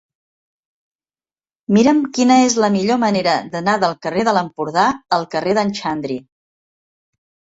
Mira'm quina és la millor manera d'anar del carrer de l'Empordà al carrer d'en Xandri.